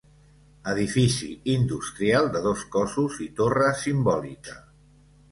Edifici industrial de dos cossos i torre simbòlica.